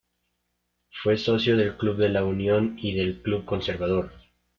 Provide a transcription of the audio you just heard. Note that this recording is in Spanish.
Fue socio del Club de La Unión y del Club Conservador.